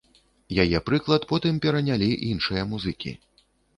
Яе прыклад потым перанялі іншыя музыкі.